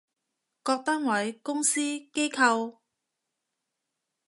各單位，公司，機構